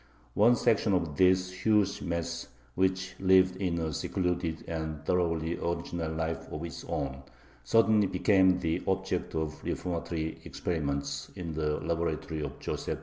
One section of this huge mass, which lived a secluded and thoroughly original life of its own, suddenly became the object of "reformatory" experiments in the laboratory of Joseph II.